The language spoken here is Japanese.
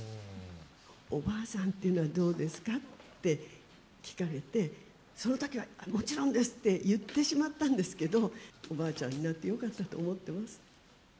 おばあさんっていうのはどうですか？って聞かれて、そのときはもちろんですって言ってしまったんですけど、おばあちゃんになってよかったと思ってます。